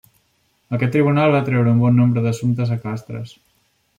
Aquest tribunal va atreure un bon nombre d'assumptes a Castres.